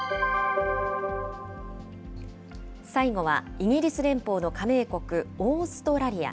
最後はイギリス連邦の加盟国、オーストラリア。